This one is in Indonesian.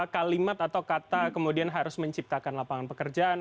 kalimat atau kata kemudian harus menciptakan lapangan pekerjaan